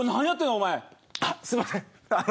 あっすいません。